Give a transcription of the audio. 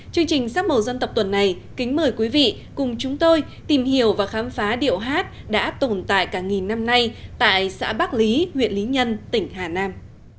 chương trình sắc màu dân tộc tuần này kính mời quý vị cùng chúng tôi tìm hiểu và khám phá điệu hát đã tồn tại cả nghìn năm nay tại xã bắc lý huyện lý nhân tỉnh hà nam